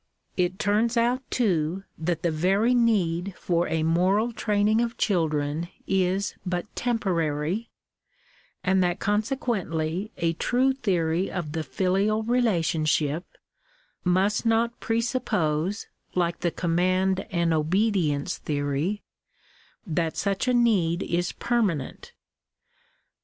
It turns out, too, that the very need for a moral training of children is but temporary, and that, consequently, a trud theory of the filial relationship must not presuppose like the oommand and obedience theory that such a need is permanent.